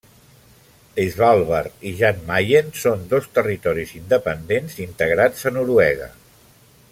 Svalbard i Jan Mayen són dos territoris independents integrats a Noruega.